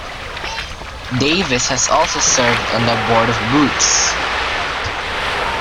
Davis has also served on the board of Boots.